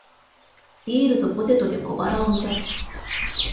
ビールとポテトで小腹を満たす